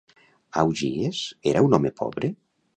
Augies era un home pobre?